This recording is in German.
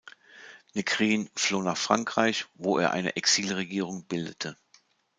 Negrín floh nach Frankreich, wo er eine Exilregierung bildete.